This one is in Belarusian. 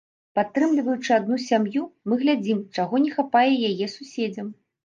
Падтрымліваючы адну сям'ю, мы глядзім, чаго не хапае яе суседзям.